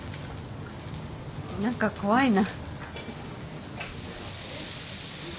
何か怖いな。